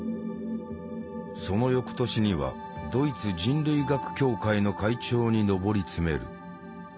その翌年にはドイツ人類学協会の会長に上り詰める。